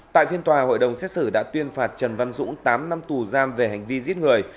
tại phiên tòa hội đồng xét xử đã tuyên phạt trần văn dũng tám năm tù giam về hành vi giết người